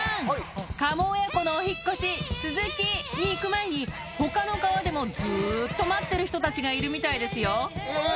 カモ親子のお引っ越し、続きに行く前に、ほかの川でもずっと待っている人たちがいるみたいですよ。